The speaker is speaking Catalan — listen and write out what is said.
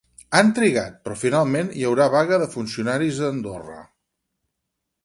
Han trigat, però finalment hi haurà vaga de funcionaris a Andorra.